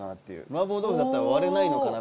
麻婆豆腐だったら割れないのかな？